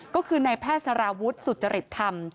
ก็คือนายแพทย์สารวุฒิสุจริตธรรม